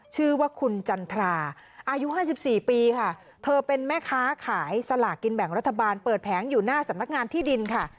ชื่อว่าคุณจันทราอายุ๕๔ปีค่ะเธอเป็นแม่ค้าขายสลากกินแบ่งรัฐบาลเปิดแผงอยู่หน้าสำนักงานที่ดินค่ะ